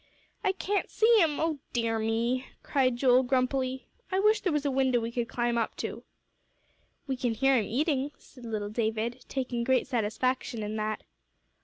"I can't see 'em! O dear me!" cried Joel, grumpily. "I wish there was a window we could climb up to." "We can hear 'em eating," said little David, taking great satisfaction in that.